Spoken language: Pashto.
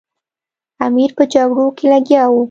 امیر په جګړو کې لګیا وو.